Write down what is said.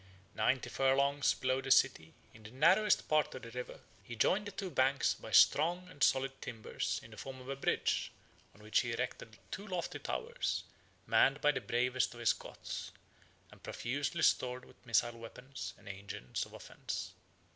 Ninety furlongs below the city, in the narrowest part of the river, he joined the two banks by strong and solid timbers in the form of a bridge, on which he erected two lofty towers, manned by the bravest of his Goths, and profusely stored with missile weapons and engines of offence.